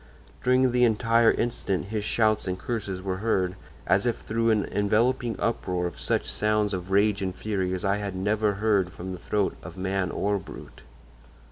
During the entire incident his shouts and curses were heard, as if through an enveloping uproar of such sounds of rage and fury as I had never heard from the throat of man or brute!